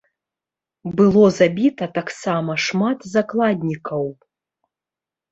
Было забіта таксама шмат закладнікаў.